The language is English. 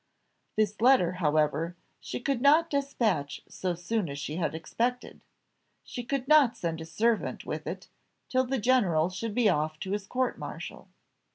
This letter, however, she could not despatch so soon as she had expected; she could not send a servant with it till the general should be off to his court martial.